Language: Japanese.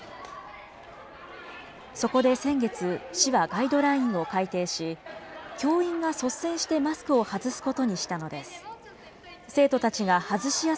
そこで先月、市はガイドラインを改訂し、教員が率先してマスクを外すことにしたのです。